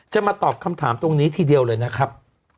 จะมาตอบคำถามตรงนี้ทีเดียวเลยนะครับ